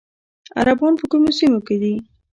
عربان په کومو سیمو کې دي؟